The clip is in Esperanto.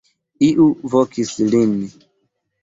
Iu vokis lin.